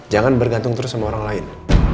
jangan bergantung terus sama orang lain